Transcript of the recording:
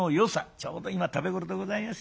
ちょうど今食べ頃でございます。